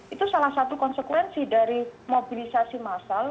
itu salah satu konsekuensi dari mobilisasi massal